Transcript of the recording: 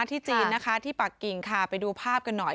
ที่จีนนะคะที่ปากกิ่งค่ะไปดูภาพกันหน่อย